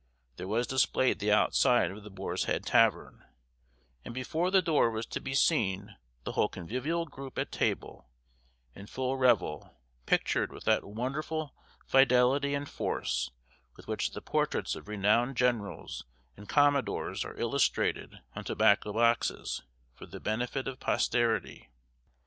There was displayed the outside of the Boar's Head Tavern, and before the door was to be seen the whole convivial group at table, in full revel, pictured with that wonderful fidelity and force with which the portraits of renowned generals and commodores are illustrated on tobacco boxes, for the benefit of posterity.